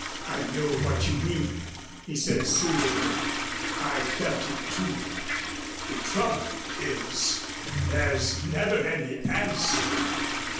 "I know what you mean," he said soothingly. "I felt it, too. The trouble is there's never any answer.